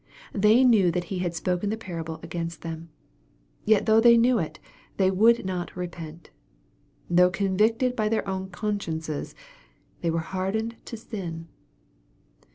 " They knew that He had spoken the parable against them." Yet though they knew it, they would not repent. Though convicted by their own conscien ces, they were hardened in sin.